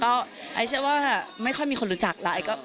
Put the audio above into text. ก็ไอ้เชื่อว่าไม่ค่อยมีคนรู้จักละ